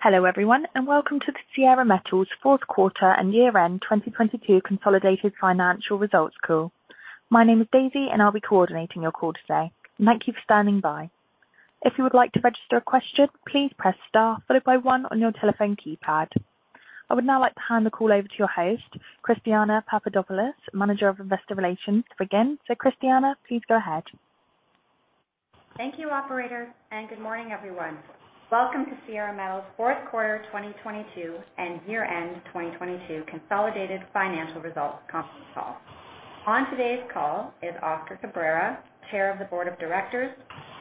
Hello everyone. Welcome to the Sierra Metals fourth quarter and year-end 2022 consolidated financial results call. My name is Daisy. I'll be coordinating your call today. Thank you for standing by. If you would like to register a question, please press star followed by one on your telephone keypad. I would now like to hand the call over to your host, Christiana Papadopoulos, Manager of Investor Relations. Again, Christiana, please go ahead. Thank you, operator, and good morning, everyone. Welcome to Sierra Metals' fourth quarter 2022 and year-end 2022 consolidated financial results conference call. On today's call is Oscar Cabrera, Chair of the Board of Directors,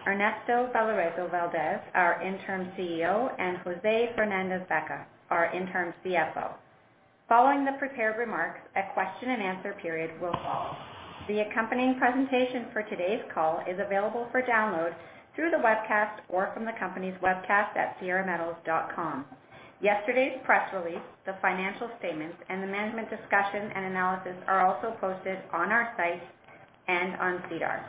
Ernesto Balarezo Valdez, our interim CEO, and José Fernández-Baca, our interim CFO. Following the prepared remarks, a question and answer period will follow. The accompanying presentation for today's call is available for download through the webcast or from the company's webcast at sierrametals.com. Yesterday's press release, the financial statements, and the management discussion and analysis are also posted on our site and on SEDAR.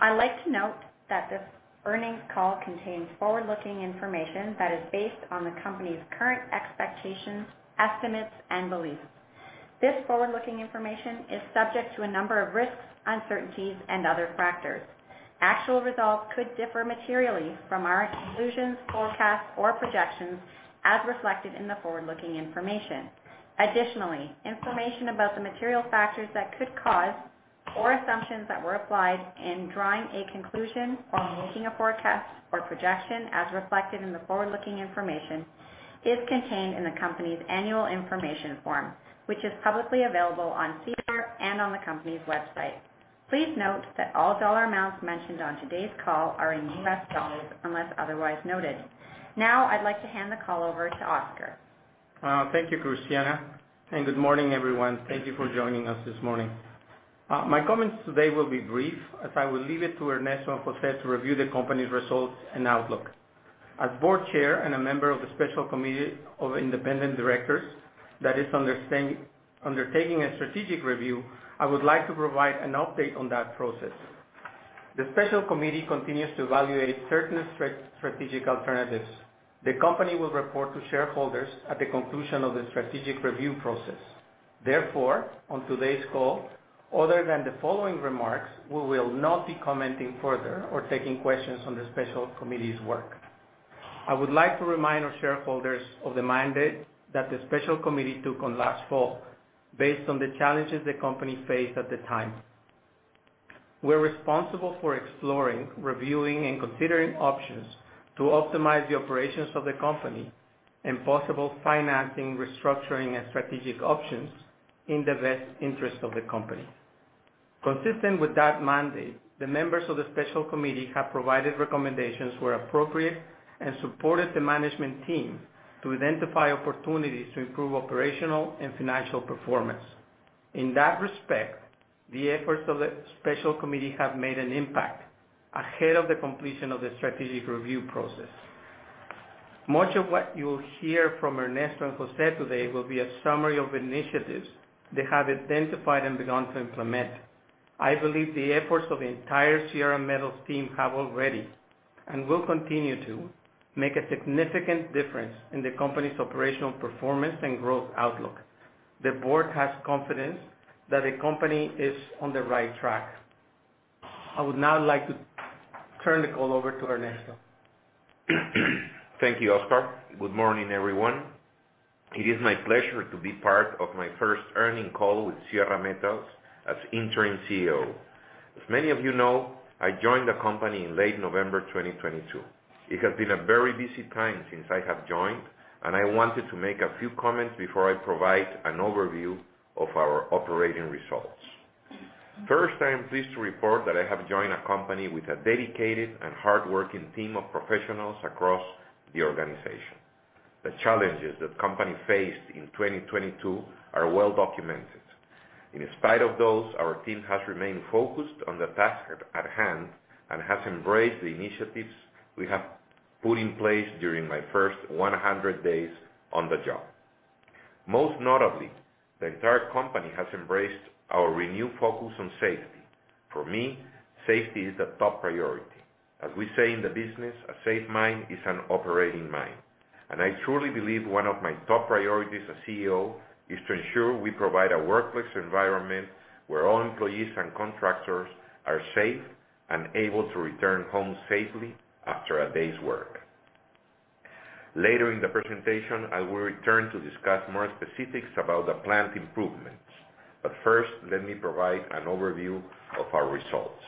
I'd like to note that this earnings call contains forward-looking information that is based on the company's current expectations, estimates, and beliefs. This forward-looking information is subject to a number of risks, uncertainties, and other factors. Actual results could differ materially from our conclusions, forecasts, or projections as reflected in the forward-looking information. Information about the material factors that could cause or assumptions that were applied in drawing a conclusion or making a forecast or projection as reflected in the forward-looking information is contained in the company's annual information form, which is publicly available on SEDAR and on the company's website. Please note that all dollar amounts mentioned on today's call are in US dollars, unless otherwise noted. I'd like to hand the call over to Oscar. Thank you, Christiana, and good morning, everyone. Thank you for joining us this morning. My comments today will be brief as I will leave it to Ernesto and José to review the company's results and outlook. As Board Chair and a member of the special committee of independent directors that is undertaking a strategic review, I would like to provide an update on that process. The special committee continues to evaluate certain strategic alternatives. The company will report to shareholders at the conclusion of the strategic review process. On today's call, other than the following remarks, we will not be commenting further or taking questions on the special committee's work. I would like to remind our shareholders of the mandate that the special committee took on last fall based on the challenges the company faced at the time. We're responsible for exploring, reviewing, and considering options to optimize the operations of the company and possible financing, restructuring, and strategic options in the best interest of the company. Consistent with that mandate, the members of the special committee have provided recommendations where appropriate and supported the management team to identify opportunities to improve operational and financial performance. In that respect, the efforts of the special committee have made an impact ahead of the completion of the strategic review process. Much of what you'll hear from Ernesto and José today will be a summary of initiatives they have identified and begun to implement. I believe the efforts of the entire Sierra Metals team have already, and will continue to, make a significant difference in the company's operational performance and growth outlook. The board has confidence that the company is on the right track. I would now like to turn the call over to Ernesto. Thank you, Oscar. Good morning, everyone. It is my pleasure to be part of my first earning call with Sierra Metals as interim CEO. As many of you know, I joined the company in late November 2022. It has been a very busy time since I have joined, and I wanted to make a few comments before I provide an overview of our operating results. First, I am pleased to report that I have joined a company with a dedicated and hardworking team of professionals across the organization. The challenges the company faced in 2022 are well documented. In spite of those, our team has remained focused on the task at hand and has embraced the initiatives we have put in place during my first 100 days on the job. Most notably, the entire company has embraced our renewed focus on safety. For me, safety is the top priority. As we say in the business, a safe mine is an operating mine, I truly believe one of my top priorities as CEO is to ensure we provide a workplace environment where all employees and contractors are safe and able to return home safely after a day's work. Later in the presentation, I will return to discuss more specifics about the plant improvements. First, let me provide an overview of our results.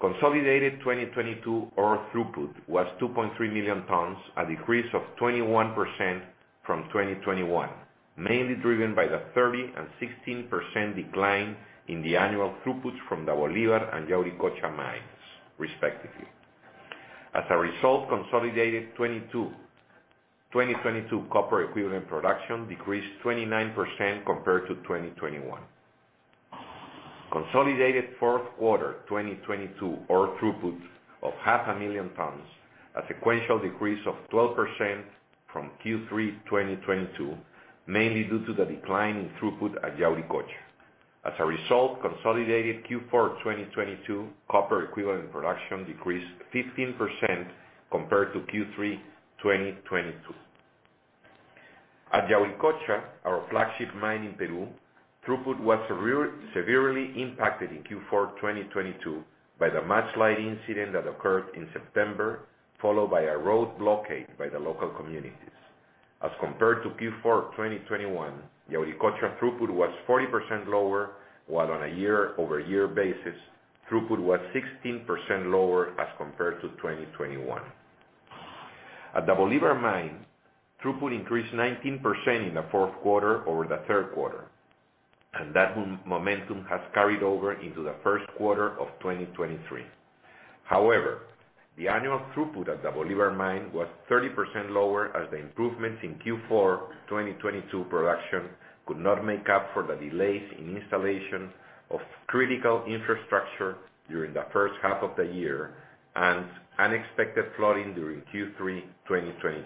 Consolidated 2022 ore throughput was 2.3 million tons, a decrease of 21% from 2021, mainly driven by the 30% and 16% decline in the annual throughputs from the Bolivar and Yauricocha mines, respectively. As a result, consolidated 2022 copper equivalent production decreased 29% compared to 2021. Consolidated fourth quarter 2022 ore throughput of 500,000 tons, a sequential decrease of 12% from Q3 2022, mainly due to the decline in throughput at Yauricocha. As a result, consolidated Q4 of 2022 copper equivalent production decreased 15% compared to Q3 2022. At Yauricocha, our flagship mine in Peru, throughput was severely impacted in Q4 2022 by the mudslide incident that occurred in September, followed by a road blockade by the local communities. As compared to Q4 2021, Yauricocha throughput was 40% lower, while on a year-over-year basis, throughput was 16% lower as compared to 2021. At the Bolivar mine, throughput increased 19% in the fourth quarter over the third quarter, and that momentum has carried over into the first quarter of 2023. However, the annual throughput at the Bolivar mine was 30% lower as the improvements in Q4 2022 production could not make up for the delays in installation of critical infrastructure during the first half of the year and unexpected flooding during Q3 2022.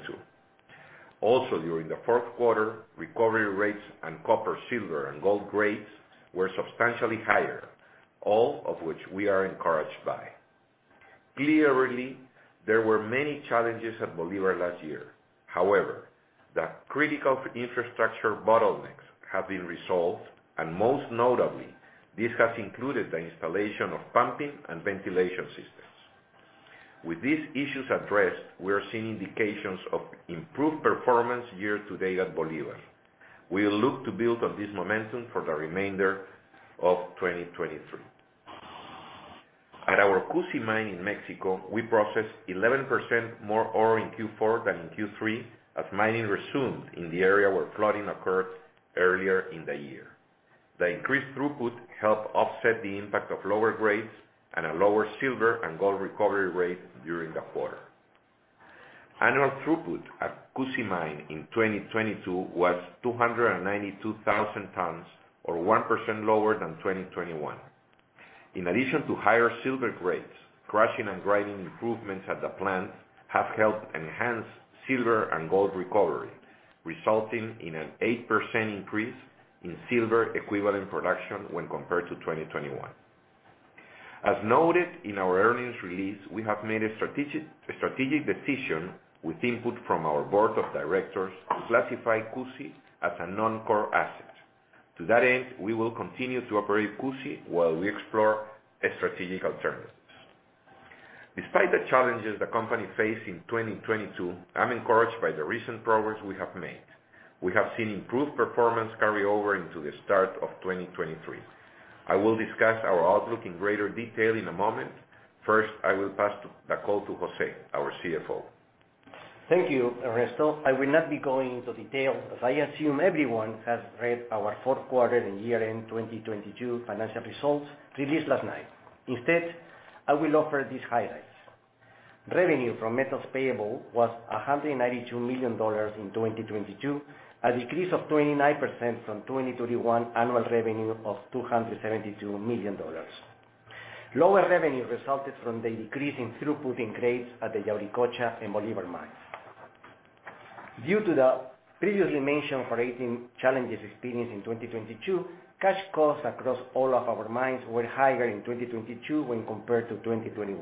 Also, during the fourth quarter, recovery rates and copper, silver, and gold grades were substantially higher, all of which we are encouraged by. Clearly, there were many challenges at Bolivar last year. However, the critical infrastructure bottlenecks have been resolved, and most notably, this has included the installation of pumping and ventilation systems. With these issues addressed, we are seeing indications of improved performance year to date at Bolivar. We look to build on this momentum for the remainder of 2023. At our Cusi mine in Mexico, we processed 11% more ore in Q4 than in Q3 as mining resumed in the area where flooding occurred earlier in the year. The increased throughput helped offset the impact of lower grades and a lower silver and gold recovery rate during the quarter. Annual throughput at Cusi mine in 2022 was 292,000 tons, or 1% lower than 2021. In addition to higher silver grades, crushing and grinding improvements at the plant have helped enhance silver and gold recovery, resulting in an 8% increase in silver equivalent production when compared to 2021. As noted in our earnings release, we have made a strategic decision with input from our board of directors to classify Cusi as a non-core asset. To that end, we will continue to operate Cusi while we explore strategic alternatives. Despite the challenges the company faced in 2022, I'm encouraged by the recent progress we have made. We have seen improved performance carry over into the start of 2023. I will discuss our outlook in greater detail in a moment. First, I will pass the call to José, our CFO. Thank you, Ernesto. I will not be going into detail as I assume everyone has read our fourth quarter and year-end 2022 financial results released last night. Instead, I will offer these highlights. Revenue from metals payable was $192 million in 2022, a decrease of 29% from 2021 annual revenue of $272 million. Lower revenue resulted from the decrease in throughput and grades at the Yauricocha and Bolivar mines. Due to the previously mentioned operating challenges experienced in 2022, cash costs across all of our mines were higher in 2022 when compared to 2021.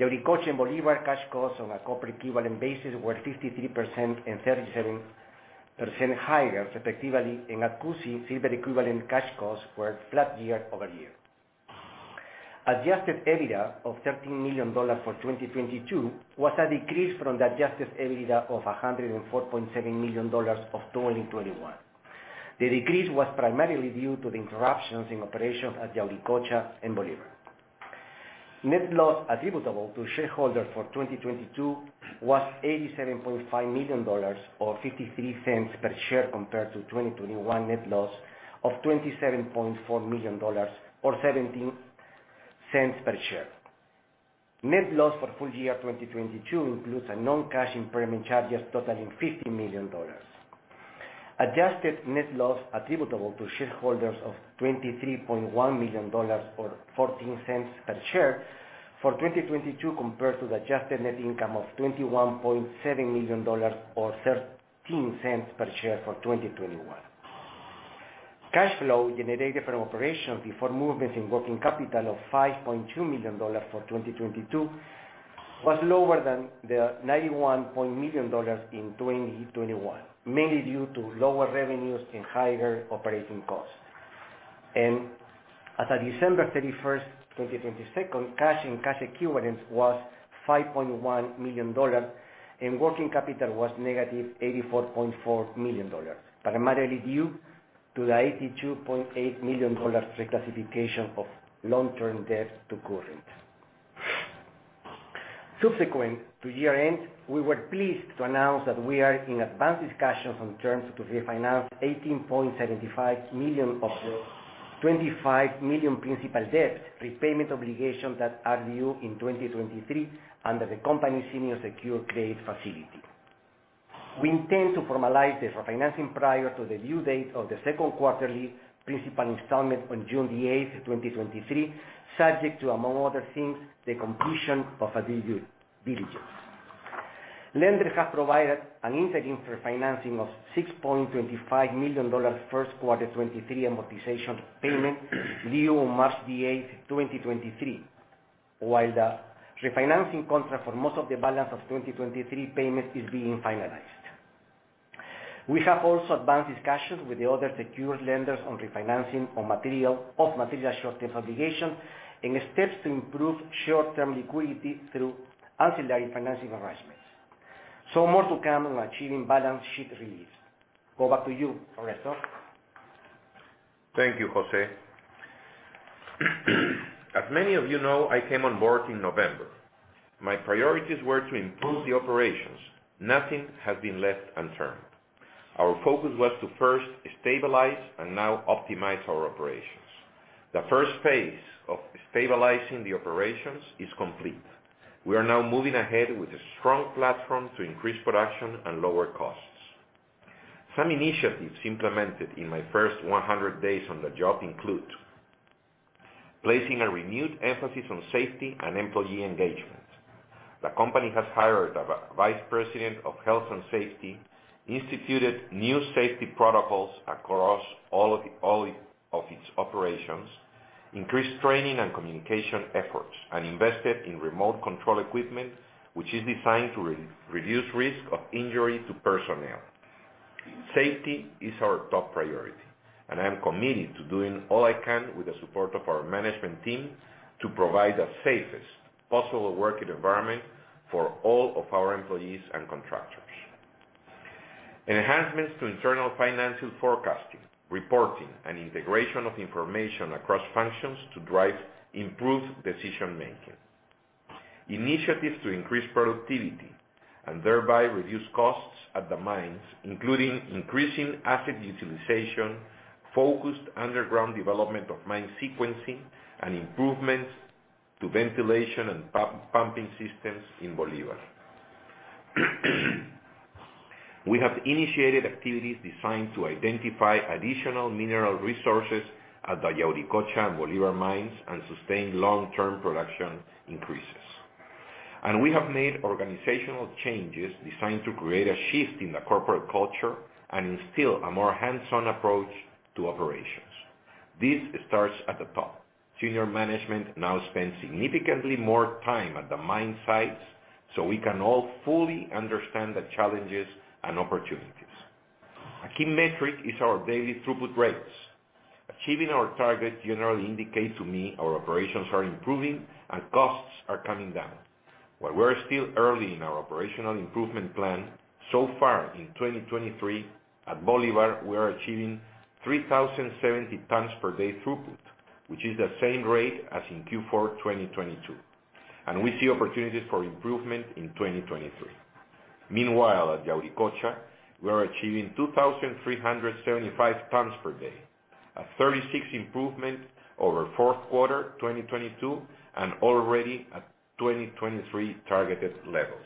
Yauricocha and Bolivar cash costs on a copper equivalent basis were 53% and 37% higher, respectively, and at Cusi, silver equivalent cash costs were flat year-over-year. Adjusted EBITDA of $13 million for 2022 was a decrease from the Adjusted EBITDA of $104.7 million of 2021. The decrease was primarily due to the interruptions in operations at Yauricocha and Bolivar. Net loss attributable to shareholders for 2022 was $87.5 million or $0.53 per share compared to 2021 net loss of $27.4 million or $0.17 per share. Net loss for full year 2022 includes a non-cash impairment charges totaling $50 million. Adjusted net loss attributable to shareholders of $23.1 million or $0.14 per share for 2022 compared to the adjusted net income of $21.7 million or $0.13 per share for 2021. Cash flow generated from operations before movements in working capital of $5.2 million for 2022 was lower than the $91.0 million in 2021, mainly due to lower revenues and higher operating costs. As of December 31, 2022, cash and cash equivalents was $5.1 million, and working capital was -$84.4 million, primarily due to the $82.8 million reclassification of long-term debt to current. Subsequent to year-end, we were pleased to announce that we are in advanced discussions on terms to refinance $18.75 million of the $25 million principal debt repayment obligation that are due in 2023 under the company's senior secured credit facility. We intend to formalize the refinancing prior to the due date of the second quarterly principal installment on June 8, 2023, subject to, among other things, the completion of a due diligence. Lenders have provided an interim refinancing of $6.25 million first quarter 2023 amortization payment due on March 8, 2023. While the refinancing contract for most of the balance of 2023 payments is being finalized. We have also advanced discussions with the other secured lenders on refinancing of material short-term obligation and steps to improve short-term liquidity through ancillary financing arrangements. More to come on achieving balance sheet release. Go back to you, Ernesto. Thank you, José. As many of you know, I came on board in November. My priorities were to improve the operations. Nothing has been left unturned. Our focus was to first stabilize and now optimize our operations. The first phase of stabilizing the operations is complete. We are now moving ahead with a strong platform to increase production and lower costs. Some initiatives implemented in my first 100 days on the job include: placing a renewed emphasis on safety and employee engagement. The company has hired a vice president of health and safety, instituted new safety protocols across all of its operations, increased training and communication efforts, and invested in remote control equipment, which is designed to reduce risk of injury to personnel. Safety is our top priority. I am committed to doing all I can with the support of our management team to provide the safest possible working environment for all of our employees and contractors. Enhancements to internal financial forecasting, reporting, and integration of information across functions to drive improved decision-making. Initiatives to increase productivity and thereby reduce costs at the mines, including increasing asset utilization, focused underground development of mine sequencing, and improvements to ventilation and pumping systems in Bolivar. We have initiated activities designed to identify additional mineral resources at the Yauricocha and Bolivar mines and sustain long-term production increases. We have made organizational changes designed to create a shift in the corporate culture and instill a more hands-on approach to operations. This starts at the top. Senior management now spends significantly more time at the mine sites, so we can all fully understand the challenges and opportunities. A key metric is our daily throughput rates. Achieving our target generally indicates to me our operations are improving and costs are coming down. While we're still early in our operational improvement plan, so far in 2023, at Bolivar, we are achieving 3,070 tons per day throughput, which is the same rate as in Q4 2022, and we see opportunities for improvement in 2023. Meanwhile, at Yauricocha, we are achieving 2,375 tons per day, a 36% improvement over fourth quarter 2022 and already at 2023 targeted levels.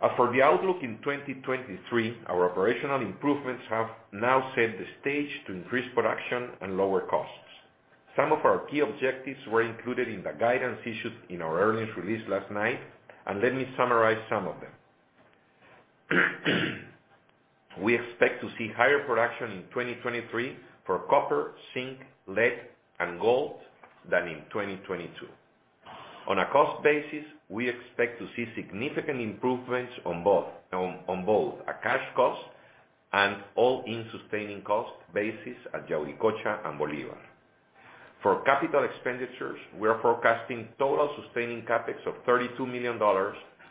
As for the outlook in 2023, our operational improvements have now set the stage to increase production and lower costs. Some of our key objectives were included in the guidance issued in our earnings release last night. Let me summarize some of them. We expect to see higher production in 2023 for copper, zinc, lead, and gold than in 2022. On a cost basis, we expect to see significant improvements on both a cash cost and all-in sustaining cost basis at Yauricocha and Bolivar. For capital expenditures, we are forecasting total sustaining CapEx of $32 million,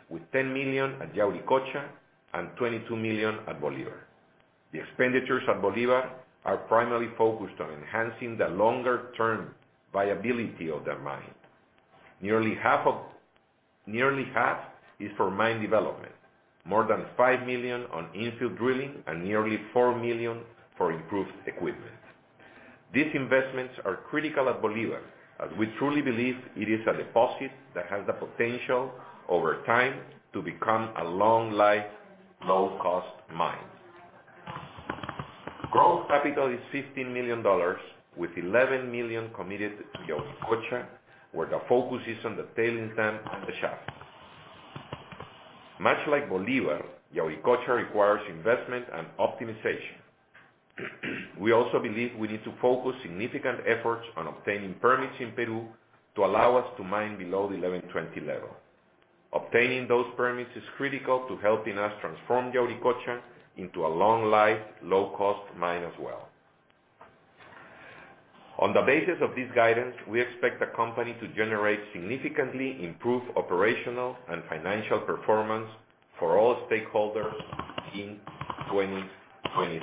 with $10 million at Yauricocha and $22 million at Bolivar. The expenditures at Bolivar are primarily focused on enhancing the longer-term viability of the mine. Nearly half is for mine development, more than $5 million on infill drilling, and nearly $4 million for improved equipment. These investments are critical at Bolivar, as we truly believe it is a deposit that has the potential over time to become a long-life, low-cost mine. Growth capital is $15 million, with $11 million committed to Yauricocha, where the focus is on the tailing sand and the shaft. Much like Bolivar, Yauricocha requires investment and optimization. We also believe we need to focus significant efforts on obtaining permits in Peru to allow us to mine below the 1120 level. Obtaining those permits is critical to helping us transform Yauricocha into a long-life, low-cost mine as well. On the basis of this guidance, we expect the company to generate significantly improved operational and financial performance for all stakeholders in 2023.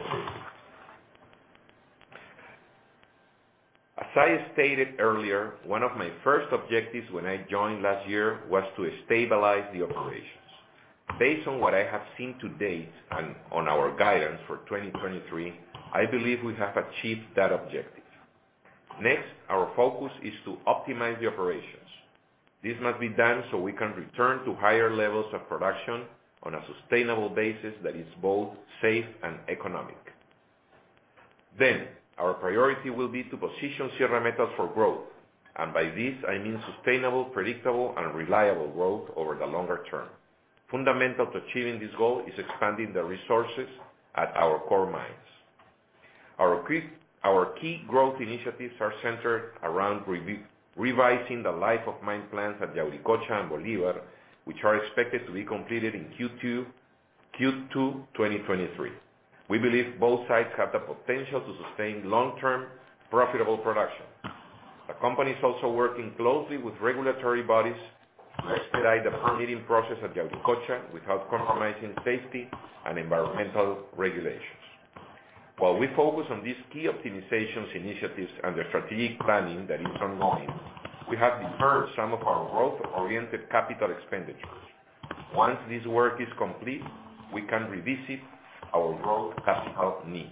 As I stated earlier, one of my first objectives when I joined last year was to stabilize the operations. Based on what I have seen to date on our guidance for 2023, I believe we have achieved that objective. Our focus is to optimize the operations. This must be done so we can return to higher levels of production on a sustainable basis that is both safe and economic. Our priority will be to position Sierra Metals for growth, and by this I mean sustainable, predictable and reliable growth over the longer term. Fundamental to achieving this goal is expanding the resources at our core mines. Our key growth initiatives are centered around revising the life of mine plans at Yauricocha and Bolivar, which are expected to be completed in Q2 2023. We believe both sites have the potential to sustain long-term profitable production. The company is also working closely with regulatory bodies to expedite the permitting process at Yauricocha without compromising safety and environmental regulations. While we focus on these key optimizations initiatives and the strategic planning that is ongoing, we have deferred some of our growth-oriented CapEx. Once this work is complete, we can revisit our growth capital needs.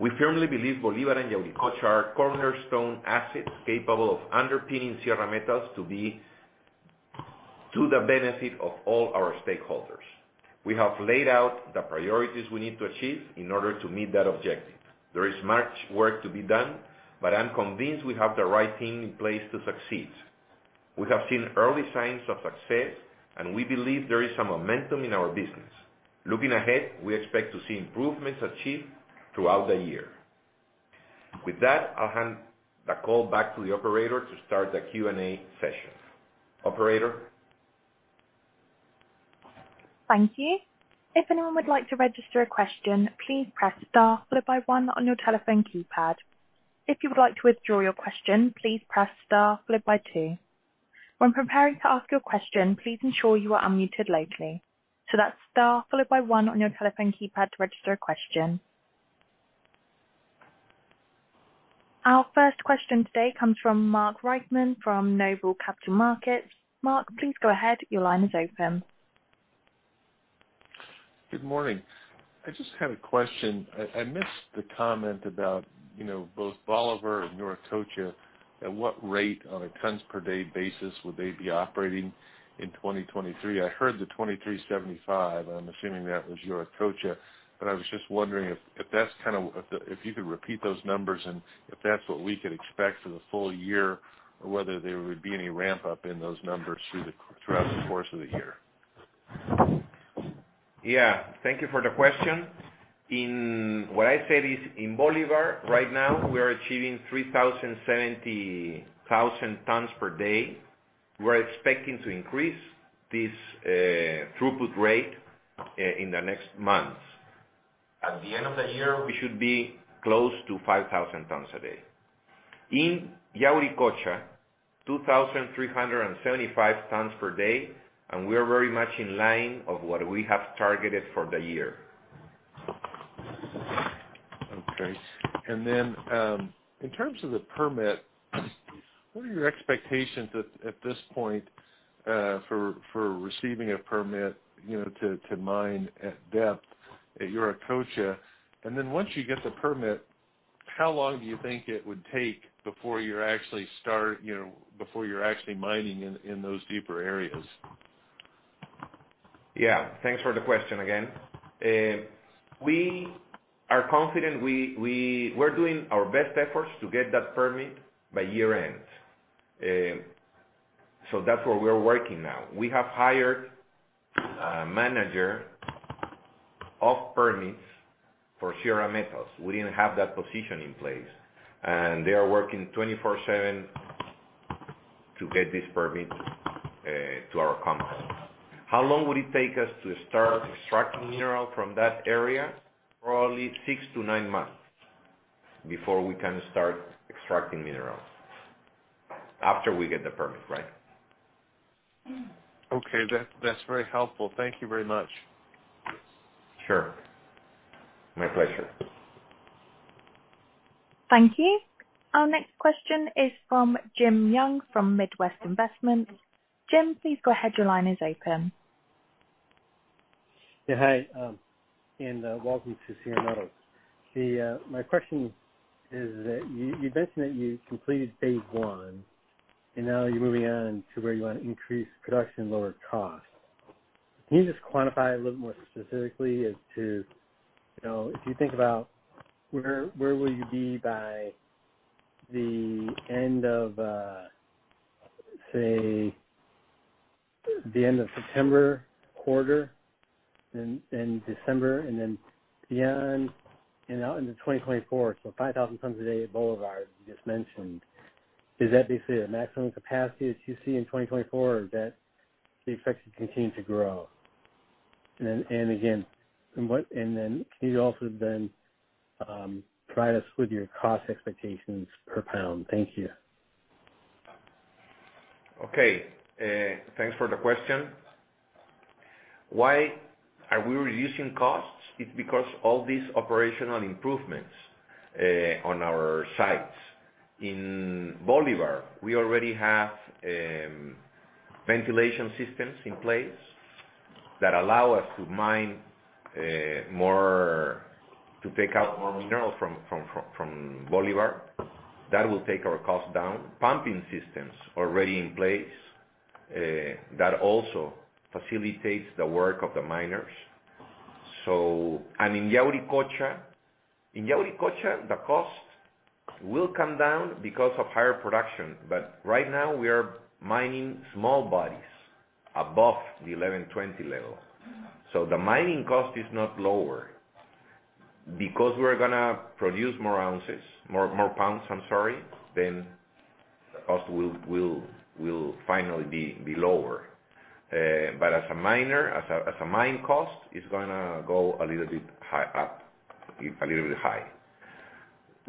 We firmly believe Bolivar and Yauricocha are cornerstone assets capable of underpinning Sierra Metals to be to the benefit of all our stakeholders. We have laid out the priorities we need to achieve in order to meet that objective. There is much work to be done, I am convinced we have the right team in place to succeed. We have seen early signs of success and we believe there is some momentum in our business. Looking ahead, we expect to see improvements achieved throughout the year. With that, I'll hand the call back to the operator to start the Q&A session. Operator? Thank you. If anyone would like to register a question, please press star followed by one on your telephone keypad. If you would like to withdraw your question, please press star followed by 2. When preparing to ask your question, please ensure you are unmuted locally. That's star followed by one on your telephone keypad to register a question. Our first question today comes from Mark Reichman from NOBLE Capital Markets. Mark, please go ahead. Your line is open. Good morning. I just had a question. I missed the comment about, you know, both Bolivar and Yauricocha, at what rate on a tons per day basis would they be operating in 2023? I heard the 2,375. I'm assuming that was Yauricocha. But I was just wondering if that's kind of, if you could repeat those numbers and if that's what we could expect for the full year, or whether there would be any ramp-up in those numbers throughout the course of the year? Thank you for the question. In what I said is in Bolivar right now we are achieving 3,070 tons per day. We're expecting to increase this throughput rate in the next months. At the end of the year, we should be close to 5,000 tons a day. In Yauricocha, 2,375 tons per day. We are very much in line of what we have targeted for the year. Okay. In terms of the permit, what are your expectations at this point, for receiving a permit, you know, to mine at depth at Yauricocha? Once you get the permit, how long do you think it would take before you actually start, you know, before you're actually mining in those deeper areas? Yeah. Thanks for the question again. We are confident we're doing our best efforts to get that permit by year end. That's where we're working now. We have hired a manager of permits for Sierra Metals. We didn't have that position in place, and they are working 24/7 to get this permit to our company. How long would it take us to start extracting mineral from that area? Probably six to nine months before we can start extracting minerals. After we get the permit, right? Okay. That, that's very helpful. Thank you very much. Sure. My pleasure. Thank you. Our next question is from Jim Young from Midwest Investments. Jim, please go ahead. Your line is open. Yeah, hi. Welcome to Sierra Metals. My question is that you mentioned that you completed phase I and now you're moving on to where you want to increase production and lower costs. Can you just quantify a little more specifically as to, you know, if you think about where will you be by the end of, say, the end of September quarter, then December and then beyond and out into 2024? 5,000 tons a day at Bolivar, you just mentioned. Is that basically the maximum capacity that you see in 2024 or is that the effect to continue to grow? Again, then can you also then provide us with your cost expectations per pound? Thank you. Okay. Thanks for the question. Why are we reducing costs? It's because all these operational improvements on our sites. In Bolivar, we already have ventilation systems in place that allow us to mine more, to take out more mineral from Bolivar. That will take our costs down. Pumping systems already in place. That also facilitates the work of the miners. In Yauricocha the cost will come down because of higher production. Right now we are mining small bodies above the 1120 level. The mining cost is not lower. Because we're gonna produce more ounces, more pounds, I'm sorry, then the cost will finally be lower. As a miner, as a mine cost, it's gonna go a little bit high up. A little bit high.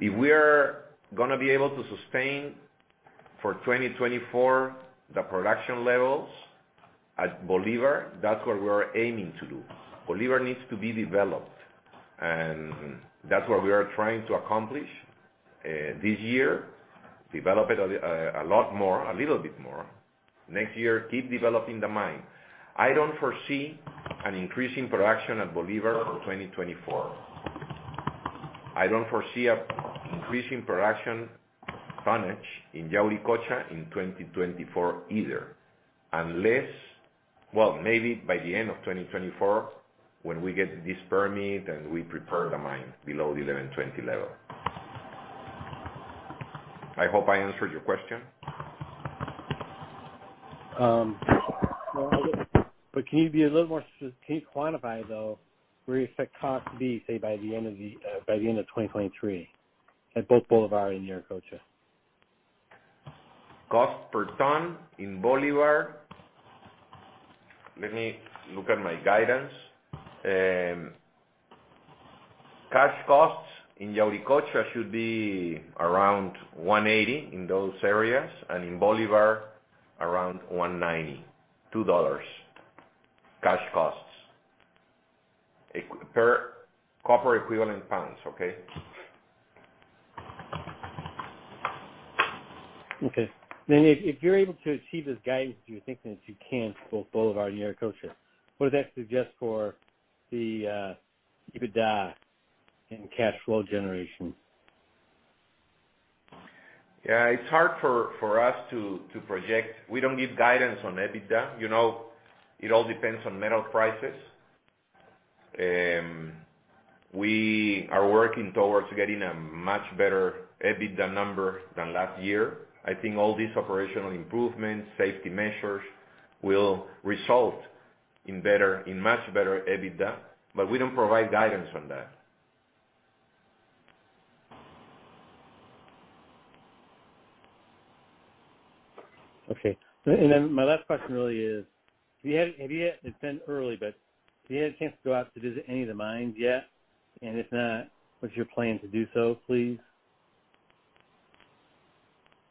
If we are going to be able to sustain for 2024 the production levels at Bolivar, that's what we are aiming to do. Bolivar needs to be developed, and that's what we are trying to accomplish this year. Develop it a lot more, a little bit more. Next year, keep developing the mine. I don't foresee an increase in production at Bolivar for 2024. I don't foresee a increase in production tonnage in Yauricocha in 2024 either, unless. Well, maybe by the end of 2024, when we get this permit and we prepare the mine below the 1120 level. I hope I answered your question. Well, Can you quantify though where you expect costs to be, say, by the end of the by the end of 2023? At both Bolivar and Yauricocha. Cost per ton in Bolivar, let me look at my guidance. Cash costs in Yauricocha should be around $180 in those areas, and in Bolivar around $190, $2 cash costs per copper equivalent pounds. Okay? Okay. If you're able to achieve this guidance, do you think that you can for both Bolivar and Yauricocha? What does that suggest for the EBITDA and cash flow generation? Yeah. It's hard for us to project. We don't give guidance on EBITDA. You know, it all depends on metal prices. We are working towards getting a much better EBITDA number than last year. I think all these operational improvements, safety measures will result in much better EBITDA, but we don't provide guidance on that. Okay. My last question really is, have you had a chance to go out to visit any of the mines yet? If not, what's your plan to do so, please?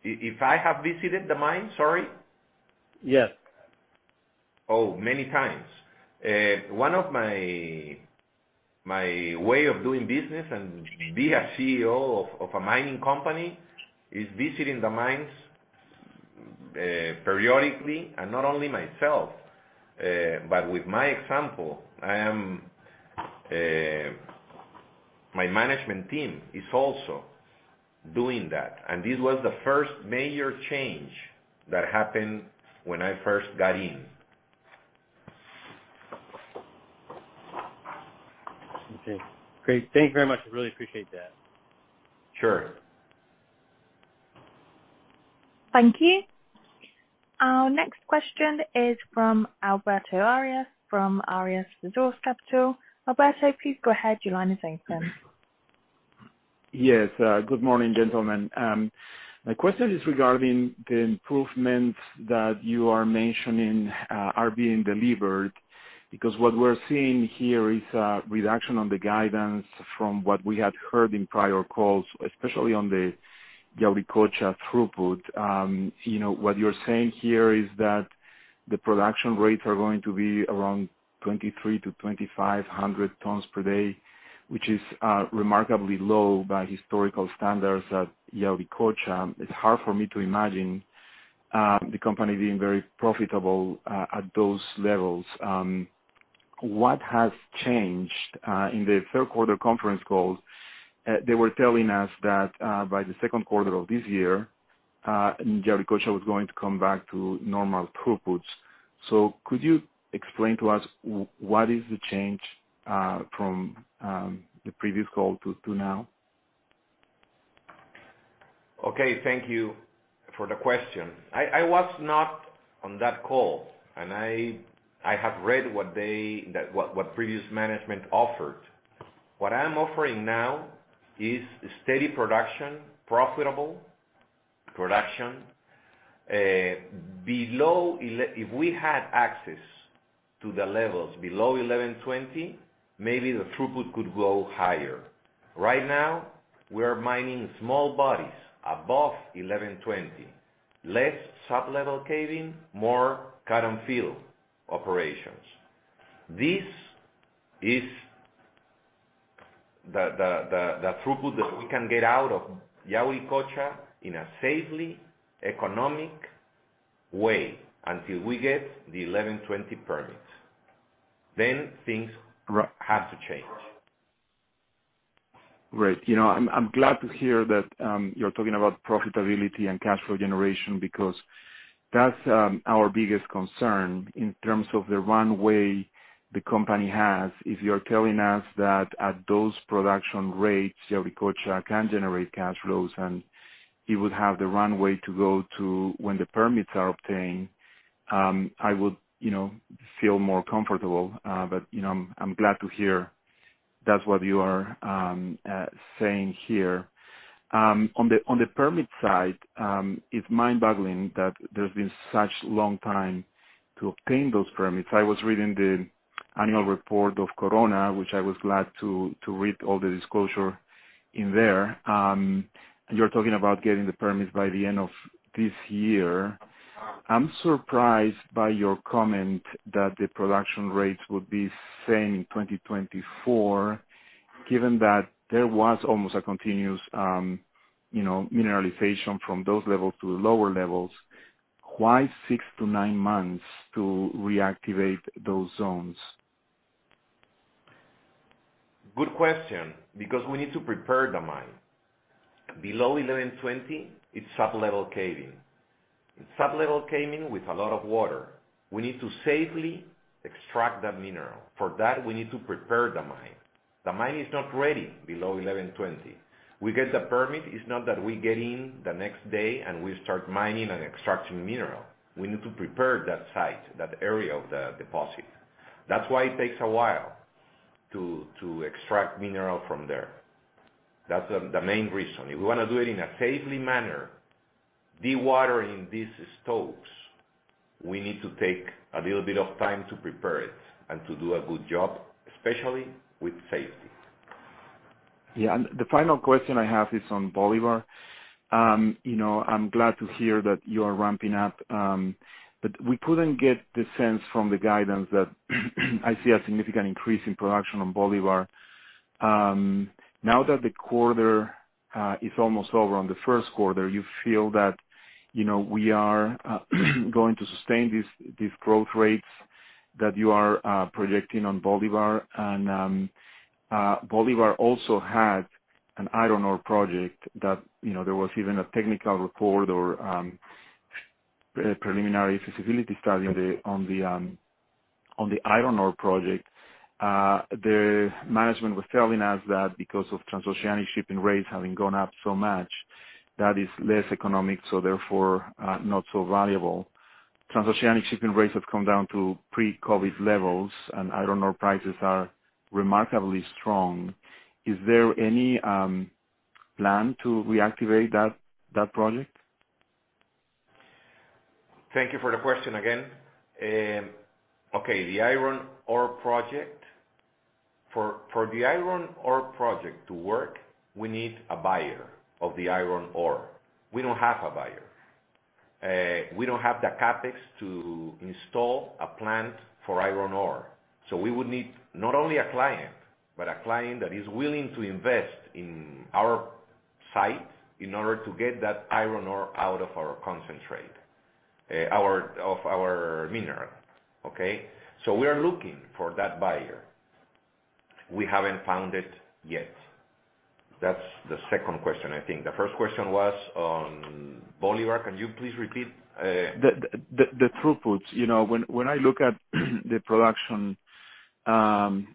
If I have visited the mine, sorry? Yes. Oh, many times. One of my way of doing business and be a CEO of a mining company is visiting the mines periodically, and not only myself, but with my example. I am, my management team is also doing that. This was the first major change that happened when I first got in. Okay, great. Thank you very much. I really appreciate that. Sure. Thank you. Our next question is from Alberto Arias from Arias Resource Capital. Alberto, please go ahead. Your line is open. Yes. Good morning, gentlemen. My question is regarding the improvements that you are mentioning, are being delivered, because what we're seeing here is a reduction on the guidance from what we had heard in prior calls, especially on the Yauricocha throughput. You know, what you're saying here is that the production rates are going to be around 2,300 tons-2,500 tons per day, which is remarkably low by historical standards at Yauricocha. It's hard for me to imagine, the company being very profitable, at those levels. What has changed? In the third quarter conference call, they were telling us that, by the second quarter of this year, Yauricocha was going to come back to normal throughputs. Could you explain to us what is the change, from, the previous call to now? Okay. Thank you for the question. I was not on that call. I have read what previous management offered. What I'm offering now is steady production, profitable production, below 1120. If we had access to the levels below 1120, maybe the throughput could go higher. Right now, we are mining small bodies above 1120. Less sub-level caving, more cut-and-fill operations. This is the throughput that we can get out of Yauricocha in a safely economic way until we get the 1120 permits. Things have to change. Great. You know, I'm glad to hear that, you're talking about profitability and cash flow generation because that's our biggest concern in terms of the runway the company has. If you're telling us that at those production rates, Yauricocha can generate cash flows, and you would have the runway to go to when the permits are obtained, I would, you know, feel more comfortable. You know, I'm glad to hear that's what you are saying here. On the permit side, it's mind-boggling that there's been such long time to obtain those permits. I was reading the annual report of Corona, which I was glad to read all the disclosure in there. You're talking about getting the permits by the end of this year. I'm surprised by your comment that the production rates would be same in 2024 given that there was almost a continuous, you know, mineralization from those levels to the lower levels. Why six to nine months to reactivate those zones? Good question, because we need to prepare the mine. Below 1120, it's Sub-level caving. It's Sub-level caving with a lot of water. We need to safely extract that mineral. For that, we need to prepare the mine. The mine is not ready below 1120. We get the permit, it's not that we get in the next day and we start mining and extracting mineral. We need to prepare that site, that area of the deposit. That's why it takes a while to extract mineral from there. That's the main reason. If we wanna do it in a safely manner, dewatering these stopes, we need to take a little bit of time to prepare it and to do a good job, especially with safety. The final question I have is on Bolivar. you know, I'm glad to hear that you are ramping up, but we couldn't get the sense from the guidance that I see a significant increase in production on Bolivar. Now that the quarter is almost over on the first quarter, you feel that, you know, we are going to sustain these growth rates that you are projecting on Bolivar and Bolivar also had an iron ore project that, you know, there was even a technical report or a preliminary feasibility study on the iron ore project. The management was telling us that because of transoceanic shipping rates having gone up so much, that is less economic, so therefore, not so valuable. Transoceanic shipping rates have come down to pre-COVID levels, and iron ore prices are remarkably strong. Is there any plan to reactivate that project? Thank you for the question again. Okay, the iron ore project. For the iron ore project to work, we need a buyer of the iron ore. We don't have a buyer. We don't have the CapEx to install a plant for iron ore. We would need not only a client, but a client that is willing to invest in our site in order to get that iron ore out of our concentrate, of our mineral, okay? We are looking for that buyer. We haven't found it yet. That's the second question, I think. The first question was on Bolivar. Can you please repeat? The throughput. You know, when I look at the production,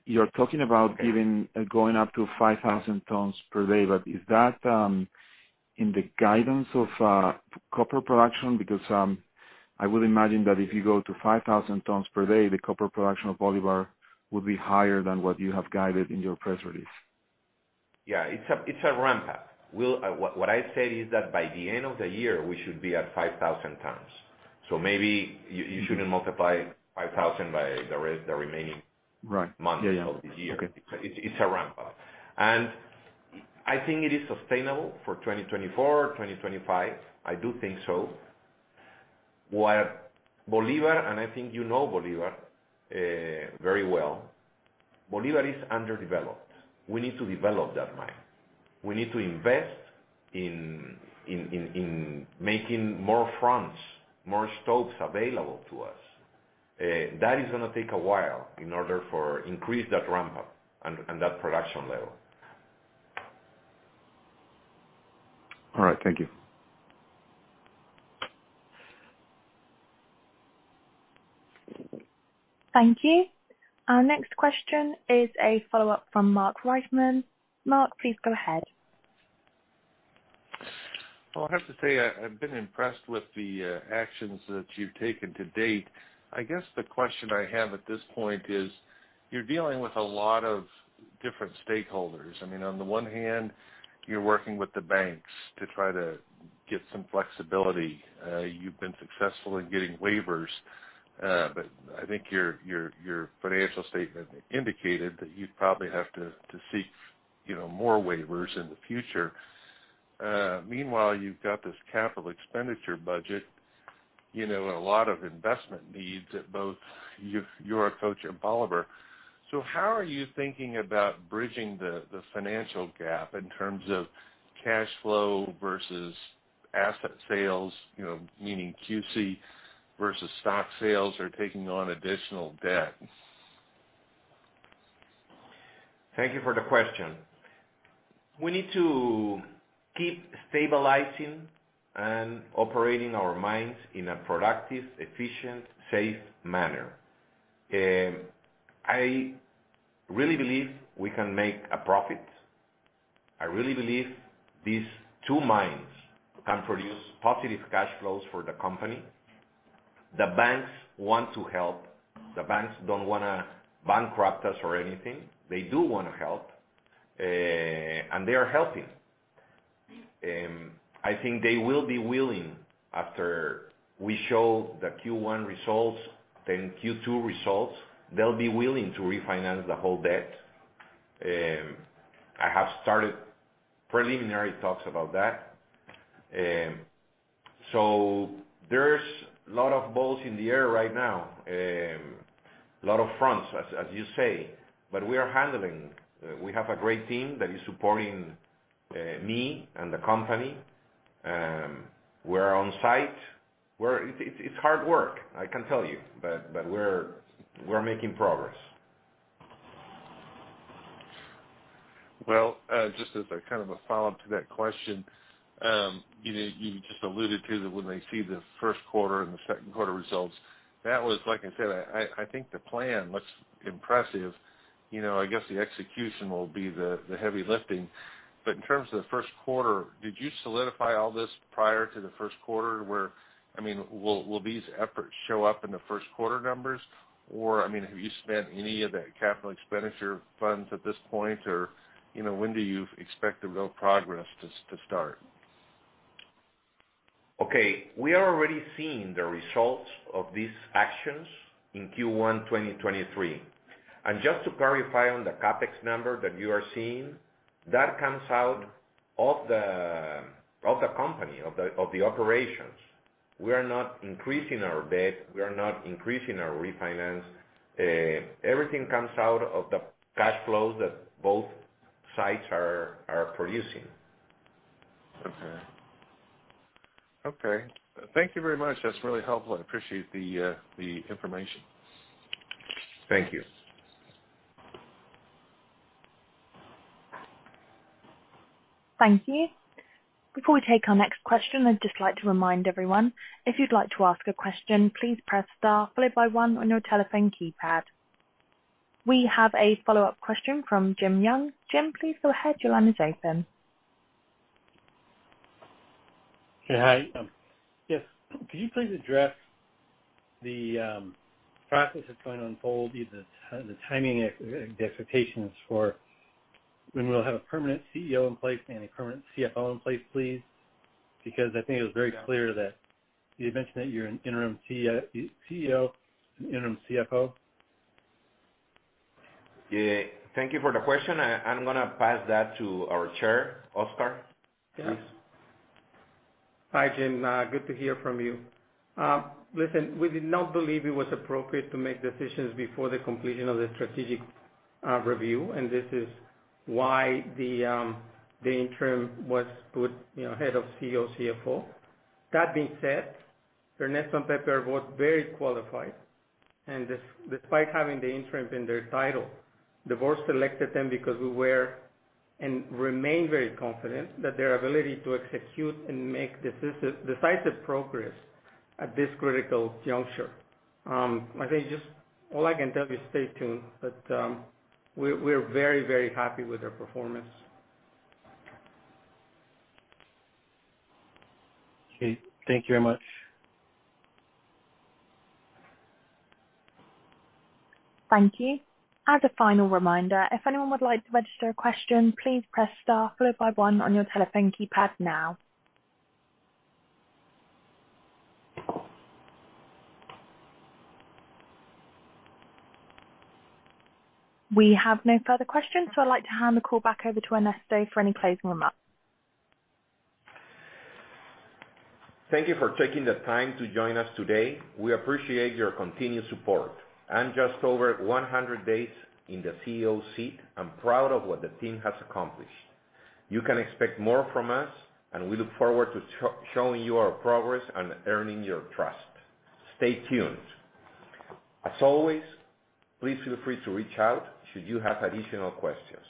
you're talking about giving and going up to 5,000 tons per day. Is that in the guidance of copper production? Because I would imagine that if you go to 5,000 tons per day, the copper production of Bolivar would be higher than what you have guided in your press release. Yeah. It's a, it's a ramp-up. What I said is that by the end of the year, we should be at 5,000 tons. Maybe you shouldn't multiply 5,000 by the remaining- Right. Yeah, yeah.... months of the year. Okay. It's a ramp-up. I think it is sustainable for 2024, 2025. I do think so. While Bolivar, and I think you know Bolivar, very well, Bolivar is underdeveloped. We need to develop that mine. We need to invest in making more fronts, more stopes available to us. That is gonna take a while in order for increase that ramp-up and that production level. All right. Thank you. Thank you. Our next question is a follow-up from Mark Reichman. Mark, please go ahead. Well, I've been impressed with the actions that you've taken to date. I guess the question I have at this point is, you're dealing with a lot of different stakeholders. I mean, on the one hand, you're working with the banks to try to get some flexibility. You've been successful in getting waivers, but I think your financial statement indicated that you'd probably have to seek, you know, more waivers in the future. Meanwhile, you've got this capital expenditure budget, you know, and a lot of investment needs at both Yauricocha and Bolivar. How are you thinking about bridging the financial gap in terms of cash flow versus asset sales, you know, meaning QC versus stock sales or taking on additional debt? Thank you for the question. We need to keep stabilizing and operating our mines in a productive, efficient, safe manner. I really believe we can make a profit. I really believe these two mines can produce positive cash flows for the company. The banks want to help. The banks don't wanna bankrupt us or anything. They do wanna help, and they are helping. I think they will be willing after we show the Q1 results, then Q2 results, they'll be willing to refinance the whole debt. I have started preliminary talks about that. There's a lot of balls in the air right now, lot of fronts as you say, but we are handling. We have a great team that is supporting me and the company. We're on site. It's hard work, I can tell you, but we're making progress. Well, just as a kind of a follow-up to that question, you know, you just alluded to that when they see the first quarter and the second quarter results, that was, like I said, I think the plan looks impressive. You know, I guess the execution will be the heavy lifting. In terms of the first quarter, did you solidify all this prior to the first quarter where, I mean, will these efforts show up in the first quarter numbers? Or, I mean, have you spent any of that capital expenditure funds at this point? Or, you know, when do you expect the real progress to start? Okay, we are already seeing the results of these actions in Q1 2023. Just to clarify on the CapEx number that you are seeing, that comes out of the company, of the operations. We are not increasing our debt. We are not increasing our refinance. Everything comes out of the cash flows that both sites are producing. Okay. Okay. Thank you very much. That's really helpful. I appreciate the information. Thank you. Thank you. Before we take our next question, I'd just like to remind everyone, if you'd like to ask a question, please press star followed by one on your telephone keypad. We have a follow-up question from Jim Young. Jim, please go ahead. Your line is open. Yeah, hi. Yes, could you please address the practice that's going to unfold, the timing expectations for when we'll have a permanent CEO in place and a permanent CFO in place, please? I think it was very clear that you mentioned that you're an interim CEO and interim CFO. Yeah. Thank you for the question. I'm gonna pass that to our Chair, Oscar. Please. Yes. Hi, Jim. Good to hear from you. Listen, we did not believe it was appropriate to make decisions before the completion of the strategic review. This is why the interim was put, you know, head of CEO, CFO. That being said, Ernesto and Pepe are both very qualified. Despite having the interim in their title, the board selected them because we were and remain very confident that their ability to execute and make decisive progress at this critical juncture. I think just all I can tell you, stay tuned, but we're very, very happy with their performance. Okay. Thank you very much. Thank you. As a final reminder, if anyone would like to register a question, please press star followed by one on your telephone keypad now. We have no further questions. I'd like to hand the call back over to Ernesto for any closing remarks. Thank you for taking the time to join us today. We appreciate your continued support. Just over 100 days in the CEO seat, I'm proud of what the team has accomplished. You can expect more from us, and we look forward to showing you our progress and earning your trust. Stay tuned. As always, please feel free to reach out should you have additional questions.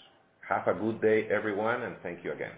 Have a good day, everyone, and thank you again.